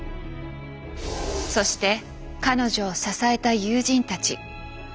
そして彼女を支えた友人たち。